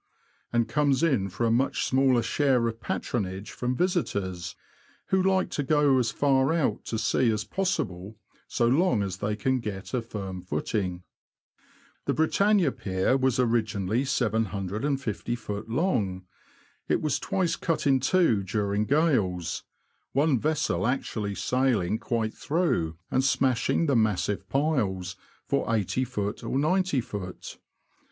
— and comes in for a much smaller share of patronage from visitors, who like to go as far out to sea as possible, so long as they can get a firm footing. The Britannia Pier was originally 750ft. long. It was twice cut in two during gales, one vessel actually sailing quite through, and smashing the massive piles for Soft, or 90ft.